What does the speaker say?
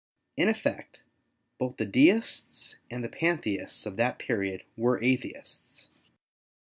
In effect, both the Deists and the Pantheists of that period were Atheists.